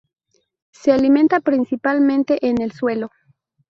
Se alimenta principalmente en el suelo.